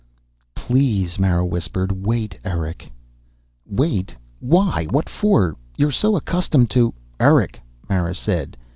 "Please," Mara whispered. "Wait, Erick." "Wait? Why? What for? You're so accustomed to " "Erick," Mara said.